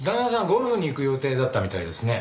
ゴルフに行く予定だったみたいですね。